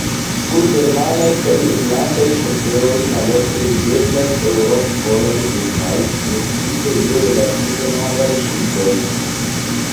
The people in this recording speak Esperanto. Sur germanaj kaj irlandaj ŝoseoj malofte videblas eŭrop-vojaj signoj, precipe je relative novaj ŝildoj.